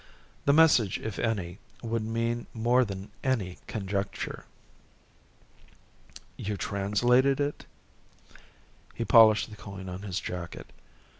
The message, if any, would mean more than any conjecture." "You translated it?" _He polished the coin on his jacket.